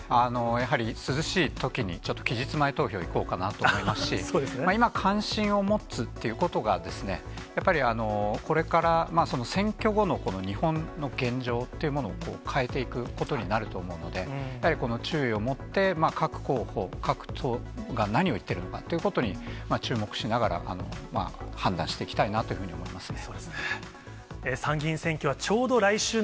やはり涼しいときにちょっと期日前投票行こうかなと思いますし、今、関心を持つということが、やっぱり、これから選挙後の日本の現状っていうものを変えていくことになると思うので、やはり注意をもって、各候補、各党が何を言っているのかということに、注目しながら、判断していきたいなというふうに思いますね。